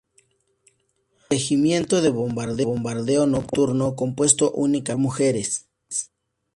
Regimiento de Bombardeo Nocturno, compuesto únicamente por mujeres.